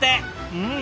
うん！